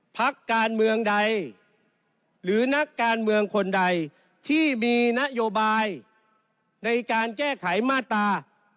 พักการเมืองใดหรือนักการเมืองคนใดที่มีนโยบายในการแก้ไขมาตรา